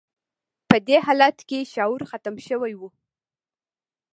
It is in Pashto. په دې حالت کې شعور ختم شوی و